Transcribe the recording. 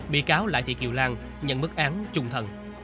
bị cáo lại thì kiều lan nhận mức án trùng thần